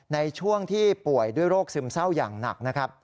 ในช่วงที่ป่วยด้วยโรคซึมเศร้าอย่างหนักนะครับ